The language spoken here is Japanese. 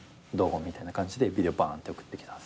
みたいな感じでビデオバーンって送ってきたんですよね。